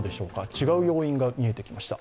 違う要因が見えてきました。